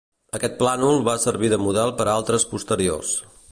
Aquest plànol va servir de model per a altres posteriors.